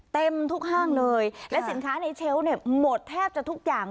เต็มทุกห้างเลยและสินค้าในเชลล์เนี่ยหมดแทบจะทุกอย่าง